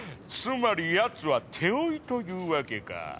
つまりやつは手負いというわけか。